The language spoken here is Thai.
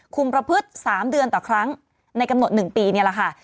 ประพฤติ๓เดือนต่อครั้งในกำหนด๑ปีนี่แหละค่ะ